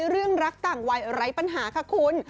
เรื่องรักต่างวัยไร้ปัญหาค่ะคุณ